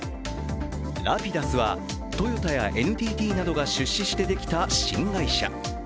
ＲａｐｉｄｕｓはトヨタやＮＴＴなどが出資してできた新会社。